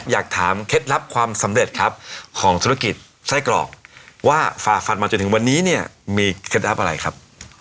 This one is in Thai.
อยากถามเคล็ดลับความสำเร็จครับของธุรกิจไส้กรอกว่าฝ่าฟันมาจนถึงวันนี้เนี่ยมีเคล็ดลับอะไรครับ